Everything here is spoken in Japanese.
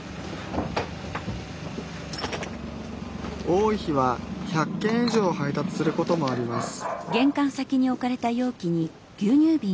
多い日は１００件以上配達することもあります